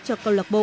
cho câu lạc bộ